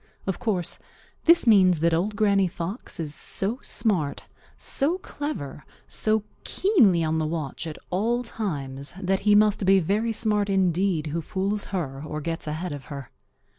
Of course this means that Old Granny Fox is so smart, so clever, so keenly on the watch at all times, that he must be very smart indeed who fools her or gets ahead of her.